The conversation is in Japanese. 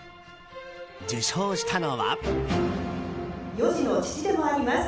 受賞したのは。